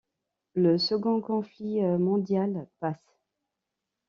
Le second conflit mondial passe...